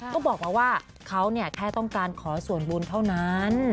ก็บอกมาว่าเขาแค่ต้องการขอส่วนบุญเท่านั้น